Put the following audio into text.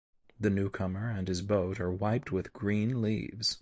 The newcomer and his boat are wiped with green leaves.